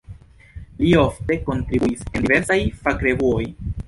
Li ofte kontribuis en diversaj fakrevuoj.